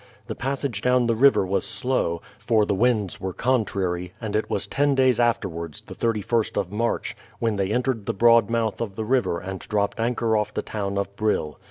The passage down the river was slow, for the winds were contrary, and it was ten days afterwards, the 31st of March, when they entered the broad mouth of the river and dropped anchor off the town of Brill.